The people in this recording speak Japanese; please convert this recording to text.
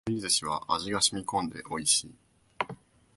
ここのいなり寿司は味が染み込んで美味しい